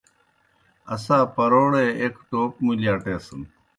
اسا پرَوڑے ایْک ٹوپ مُلیْ اٹیسَن۔